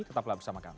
tetaplah bersama kami